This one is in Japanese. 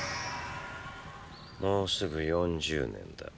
もうすぐ４０年だ。